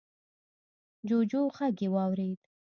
جوجو غږ يې واورېد.